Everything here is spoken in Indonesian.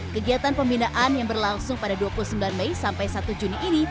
kegiatan pembinaan yang berlangsung pada dua puluh sembilan mei sampai satu juni ini